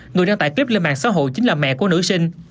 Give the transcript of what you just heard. người đăng tải clip lên mạng xã hội chính là mẹ của nữ sinh